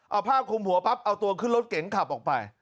เอาผ้าคุมหัวปั๊บเอาตัวขึ้นรถเก๋งขับออกไป